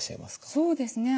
そうですね